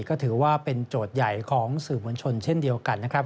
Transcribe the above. ก็ถือว่าเป็นโจทย์ใหญ่ของสื่อมวลชนเช่นเดียวกันนะครับ